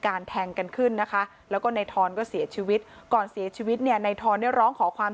แทงกันขึ้นนะคะแล้วก็ในทอนก็เสียชีวิตก่อนเสียชีวิตเนี่ยในทอนได้ร้องขอความ